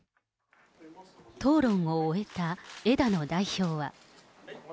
討論を終えた枝野代表は。